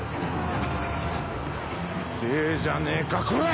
痛ぇじゃねえかこら！